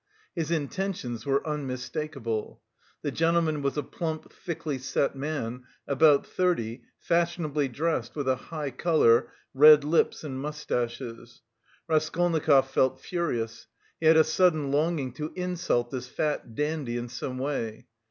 His intentions were unmistakable. The gentleman was a plump, thickly set man, about thirty, fashionably dressed, with a high colour, red lips and moustaches. Raskolnikov felt furious; he had a sudden longing to insult this fat dandy in some way.